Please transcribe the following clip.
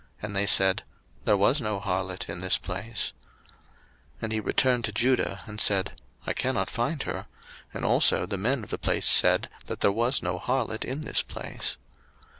And they said, There was no harlot in this place. 01:038:022 And he returned to Judah, and said, I cannot find her; and also the men of the place said, that there was no harlot in this place.